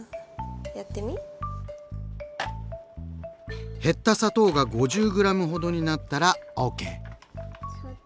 やってみ？減った砂糖が５０ｇほどになったらＯＫ。